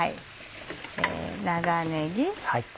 長ねぎ。